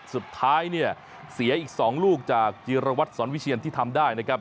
สุดท้ายเนี่ยเสียอีก๒ลูกจากจีรวัตรสอนวิเชียนที่ทำได้นะครับ